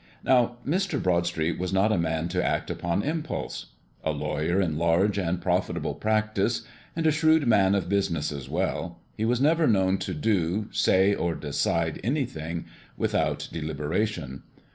Now, Mr. Broadstreet was not a man to act upon impulse. A lawyer in large and profitable practice, and a shrewd man of business as well, he was never known to do, say, or decide anything without deliberation.